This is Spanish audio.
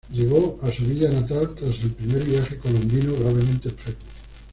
Llegó a su villa natal, tras el primer viaje colombino, gravemente enfermo.